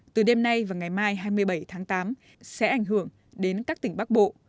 từ đêm nay và ngày mai hai mươi bảy tháng tám sẽ ảnh hưởng đến các tỉnh bắc bộ